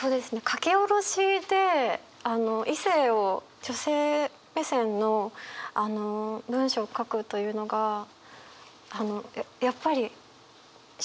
書き下ろしで異性を女性目線の文章を書くというのがって。